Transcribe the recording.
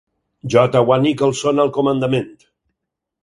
J. WA Nicholson al comandament.